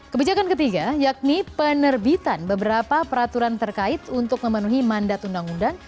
kebijakan ketiga yakni penerbitan beberapa peraturan terkait untuk memenuhi mandat undang undang